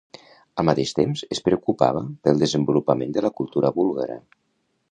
Al mateix temps, es preocupava pel desenvolupament de la cultura búlgara.